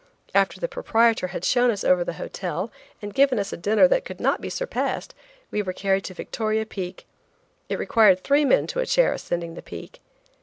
After the proprietor had shown us over the hotel and given us a dinner that could not be surpassed we were carried to Victoria Peak. It required three men to a chair ascending the peak.